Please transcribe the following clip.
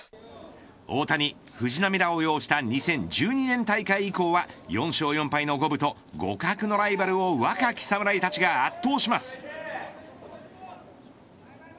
大谷、藤浪らを擁した２０１２年大会以降は４勝４敗の五分と互角のライバルを若き侍たちが圧倒します。